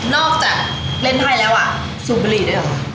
นอกจากเบิ้ลไลน์ไทยแล้วสูบบลีด้วยเหรอ